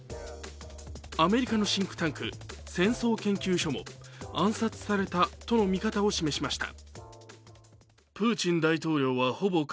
アメリカのシンクタンク、戦争研究所も暗殺されたとの見方を示しました。